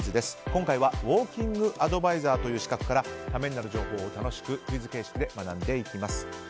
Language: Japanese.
今回はウォーキングアドバイザーという資格からためになる情報を楽しくクイズ形式で学んでいきます。